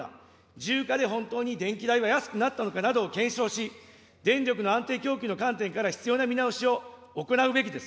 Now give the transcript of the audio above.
自由化で本当に電気代は安くなったのかなどを検証し、電力の安定供給の観点から必要な見直しを行うべきです。